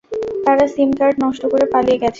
তারা SIM card নষ্ট করে পালিয়ে গেছে।